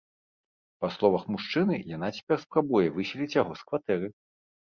Па словах мужчыны, яна цяпер спрабуе выселіць яго з кватэры.